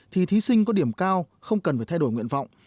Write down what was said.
thì thí sinh có điểm cao không cần phải thay đổi nguyện vọng